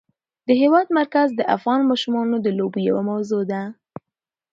د هېواد مرکز د افغان ماشومانو د لوبو یوه موضوع ده.